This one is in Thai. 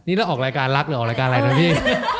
นี่แล้วออกรายการรักหรือออกรายการอะไรนะพี่